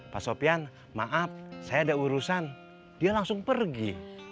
pak sofian maaf saya ada urusan dia langsung pergi